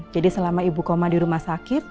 jadi selama ibu koma di rumah sakit